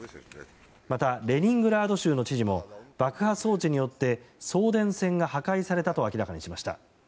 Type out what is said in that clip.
また、レニングラード州の知事も爆破装置によって送電線が破壊されたと明らかにしました。